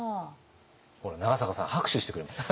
ほら長坂さん拍手してくれました。